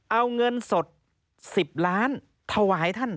เอาเงินสด๑๐ล้านถวายท่าน